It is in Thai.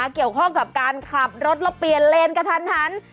เกี่ยวข้องกับการขับรถแล้วเปลี่ยนเลนกระทันหัน